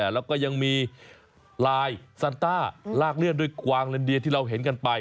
แล้วก็ยังมีลายซันต้าลากเลื่อนด้วยกวางลินเดียที่เราเห็นกันไป